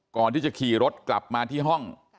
ก่อนที่จะขี่รถกลับมาที่ห้อง